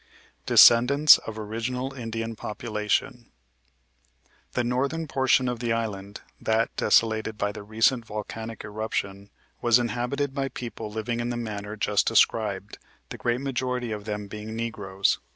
DESCENDANTS OF ORIGINAL INDIAN POPULATION The northern portion of the island, that desolated by the recent volcanic eruption, was inhabited by people living in the manner just described, the great majority of them being negroes.